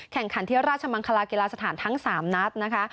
แข่งขันที่ราชมังคลากีฬาสถานทั้ง๓นัดนะคะ